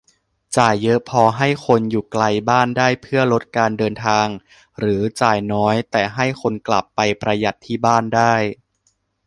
จ่ายเยอะพอให้คนอยู่ไกลบ้านได้เพื่อลดการเดินทาง หรือ จ่ายน้อยแต่ให้คนกลับไปประหยัดที่บ้านได้